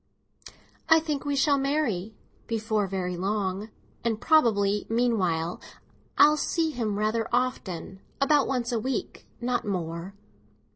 "I think we shall marry—before very long. And probably, meanwhile, I shall see him rather often; about once a week, not more."